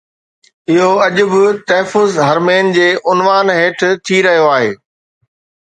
اهو اڄ به تحفظ حرمين جي عنوان هيٺ ٿي رهيو آهي